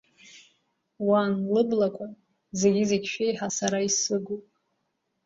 Уан лыблақәа зегьы-зегьы шәеиҳа сара исыгуп.